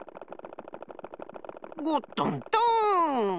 ゴットントン。